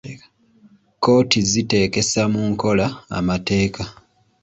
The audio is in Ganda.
Kkooti ziteekesa mu nkola amateeka.